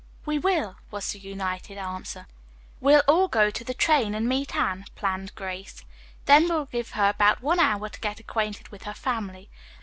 "We will," was the united answer. "We'll all go to the train to meet Anne," planned Grace. "Then we'll give her about one hour to get acquainted with her family.